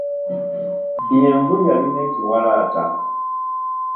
Byenvu yalina ekiwalaata.